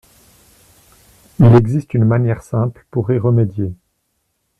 Il existe une manière simple pour y remédier.